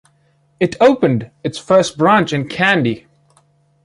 It opened its first branch in Kandy.